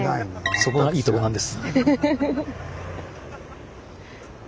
そこがいいとこなんです。